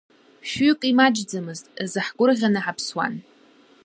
Шәҩык имаҷӡамызт азы ҳгәырӷьаны ҳаԥсуан.